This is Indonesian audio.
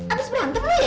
abis berantem lo ya